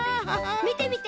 みてみて！